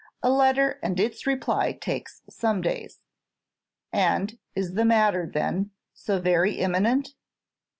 A letter and its reply takes some days." "And is the matter, then, so very imminent?"